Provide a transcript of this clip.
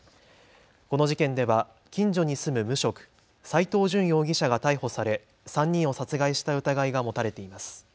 この事件では近所に住む無職斎藤淳容疑者が逮捕され３人を殺害した疑いが持たれています。